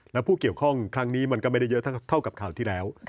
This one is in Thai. แล้วผู้เกี่ยวข้องครั้งนี้มันก็ไม่ได้เยอะเท่ากับข่าวที่แล้ว